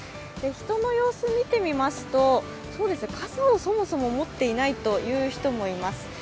人の様子を見てみますと傘をそもそも持っていないという人もいます。